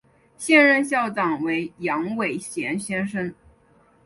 现任校长为杨伟贤先生。